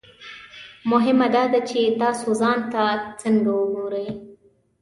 مهمه دا ده چې تاسو ځان ته څنګه ګورئ.